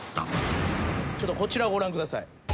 ちょっとこちらをご覧ください。